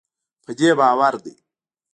په دې باور دی